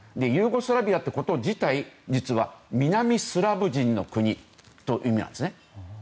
ユーゴスラビアってこと自体実は、南スラブ人の国という意味なんです。